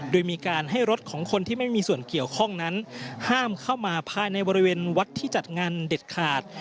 โดยมีการให้รถของคนที่ไม่มีส่วนเกี่ยวข้องนั้นห้ามเข้ามาภายในบริเวณวัดที่จัดงานเด็ดขาด